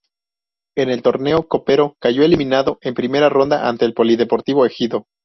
En el torneo copero cayó eliminado en primera ronda ante el Polideportivo Ejido.